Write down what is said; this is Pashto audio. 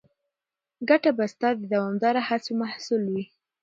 ګټه به ستا د دوامداره هڅو محصول وي.